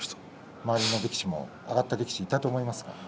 周りの力士も上がっていった力士がいたと思いますけれど。